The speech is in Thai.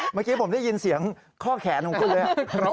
เมื่อกี้ผมได้ยินเสียงข้อแขนของคุณเลย